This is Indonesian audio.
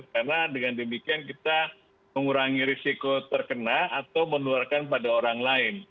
karena dengan demikian kita mengurangi risiko terkena atau menularkan pada orang lain